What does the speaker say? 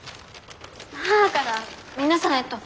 母から皆さんへと！